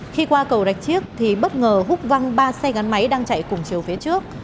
khi qua cầu rạch chiếc thì bất ngờ hút văng ba xe gắn máy đang chạy cùng chiều phía trước